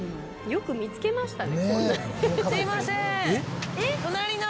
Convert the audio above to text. よく見つけましたね。